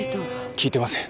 聞いてません。